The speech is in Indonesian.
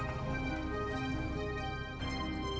kata kang bahar